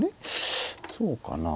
そうかな？